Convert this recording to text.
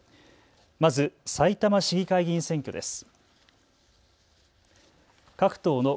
まず、さいたま市議会議員選挙です。